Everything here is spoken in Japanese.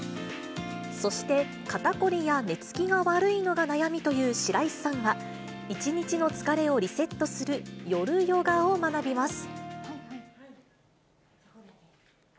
そして肩凝りや寝つきが悪いのが悩みという白石さんは、一日の疲れをリセットする夜ヨガを学びます。